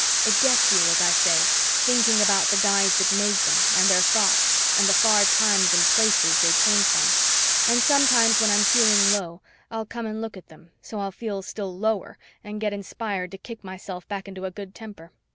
It gets you, as I say, thinking about the guys that made them and their thoughts and the far times and places they came from, and sometimes, when I'm feeling low, I'll come and look at them so I'll feel still lower and get inspired to kick myself back into a good temper.